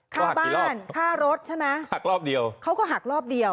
ค่าบ้านค่ารถใช่ไหมหักรอบเดียวเขาก็หักรอบเดียว